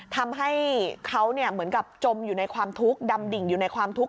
ทำให้เขาเหมือนกับจมอยู่ในความทุกข์ดำดิ่งอยู่ในความทุกข์